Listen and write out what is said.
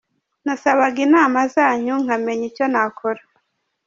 Nasabaga inama zanyu nkamenya icyo nakora.